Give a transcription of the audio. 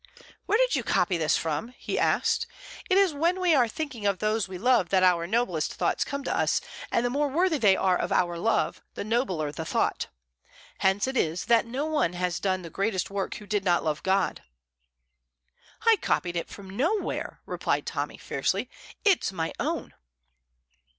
"Where did you copy this from?" he asked. "'It is when we are thinking of those we love that our noblest thoughts come to us, and the more worthy they are of our love the nobler the thought; hence it is that no one has done the greatest work who did not love God.'" "I copied it from nowhere," replied Tommy, fiercely; "it's my own."